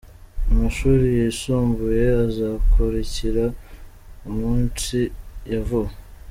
Amashure yisumbuye akazokurikira mu misi ya vuba.